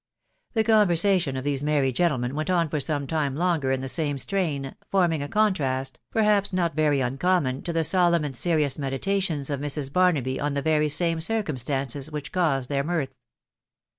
The conversation of these merry gentlemen went on for some time longer in the same strain, forming a contrast, perhaps not very uncommon, to the solemn and serious meditations of Mrs. Barnaby on the very same circumstances which caused their mirth.